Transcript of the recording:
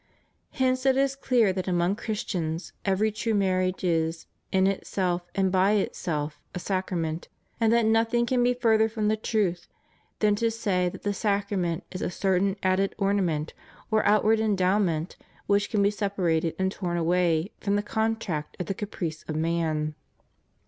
Hence it is clear that among Christians every true marriage is, in itself and by itself, a sacrament; and that nothing can be further from the truth than to say that the sacrament is a certain added ornament, or out ward endowment, which can be separated and torn away from the contract at the caprice of man.